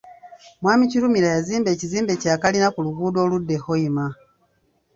Mwami Kirumira yazimba ekizimbe kya kalina ku luguudo oludda e Hoima.